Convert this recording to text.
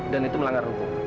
dan itu melanggar rukun